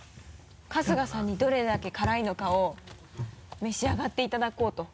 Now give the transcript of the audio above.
春日さんにどれだけ辛いのかを召し上がっていただこうと。